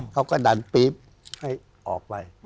เขาก็ดันปี๊บให้ออกไป